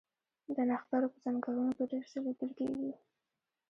د نښترو په ځنګلونو کې ډیر څه لیدل کیږي